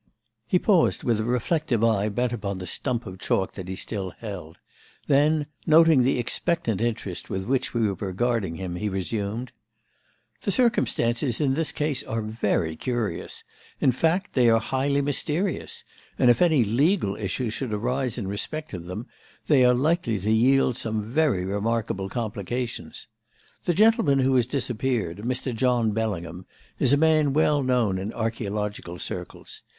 '" He paused with a reflective eye bent upon the stump of chalk that he still held; then, noting the expectant interest with which we were regarding him, he resumed: "The circumstances in this case are very curious; in fact, they are highly mysterious; and if any legal issues should arise in respect of them, they are likely to yield some very remarkable complications. The gentleman who has disappeared, Mr. John Bellingham, is a man well known in archaeological circles.